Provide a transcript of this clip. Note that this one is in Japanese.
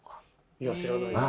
いや知らないです。